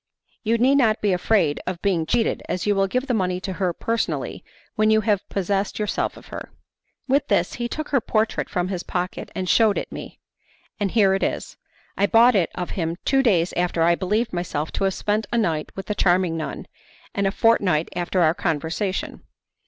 You need not be afraid of being cheated, as you will give the money to her personally when you have possessed yourself of her.' With this he took her portrait from his pocket and shewed it me; and here it is. I bought it of him two days after I believed myself to have spent a night with the charming nun, and a fortnight after our conversation.